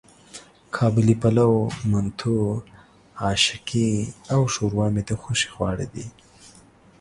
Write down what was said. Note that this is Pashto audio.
قابلي پلو، منتو، آشکې او ښوروا مې د خوښې خواړه دي.